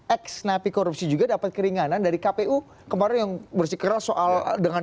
ex napi korupsi juga dapat keringanan dari kpu kemarin yang bersikeras soal dengan